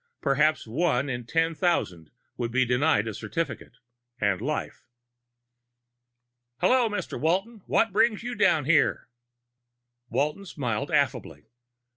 Perhaps one in ten thousand would be denied a certificate ... and life. "Hello, Mr. Walton. What brings you down here?" Walton smiled affably.